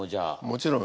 もちろん。